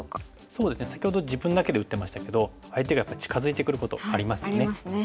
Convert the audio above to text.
そうですね先ほど自分だけで打ってましたけど相手が近づいてくることありますよね。ありますね。